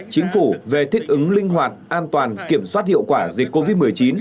chính phủ về thích ứng linh hoạt an toàn kiểm soát hiệu quả dịch covid một mươi chín